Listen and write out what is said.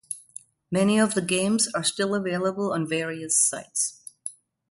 Many of the games are still available on various sites.